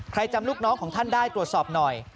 จำลูกน้องของท่านได้ตรวจสอบหน่อย